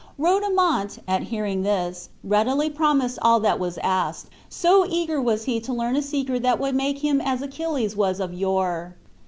Rodomont, at hearing this, readily promised all that was asked, so eager was he to learn a secret that would make him as Achilles was of yore.